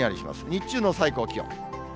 日中の最高気温。